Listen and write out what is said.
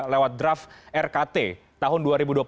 lewat draft rkt tahun dua ribu dua puluh satu